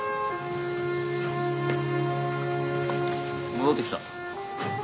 戻ってきた。